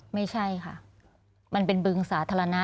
ไม่ใช่ค่ะมันเป็นบึงสาธารณะ